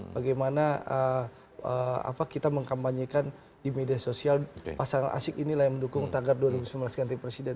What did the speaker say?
bagaimana kita mengkampanyekan di media sosial pasangan asyik inilah yang mendukung tagar dua ribu sembilan belas ganti presiden